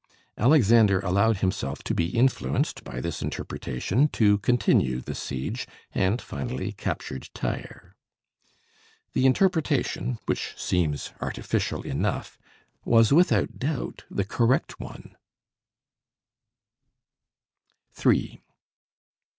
Alexander allowed himself to be influenced by this interpretation to continue the siege, and finally captured Tyre. The interpretation, which seems artificial enough, was without doubt the correct one.